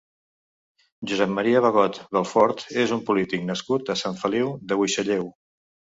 Josep Maria Bagot Belfort és un polític nascut a Sant Feliu de Buixalleu.